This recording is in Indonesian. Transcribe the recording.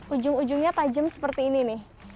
ujung ujungnya tajam seperti ini nih